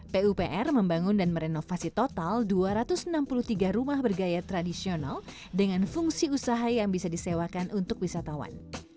pupr membangun dan merenovasi total dua ratus enam puluh tiga rumah bergaya tradisional dengan fungsi usaha yang bisa disewakan untuk wisatawan